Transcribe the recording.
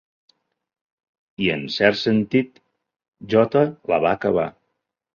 I en cert sentit, "J" la va acabar.